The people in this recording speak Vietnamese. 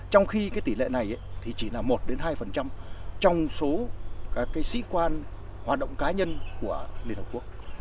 trong khi cái tỷ lệ này thì chỉ là một hai trong số các cái sĩ quan hoạt động cá nhân của liên hợp quốc